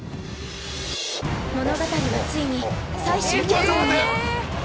◆物語は、ついに最終局面へ。